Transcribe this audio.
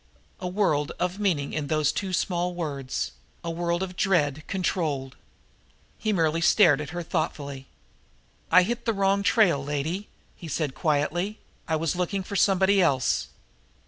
A world of meaning in those two small words a world of dread controlled. He merely stared at her thoughtfully. "I hit the wrong trail, lady," he said quietly. "I was looking for somebody else."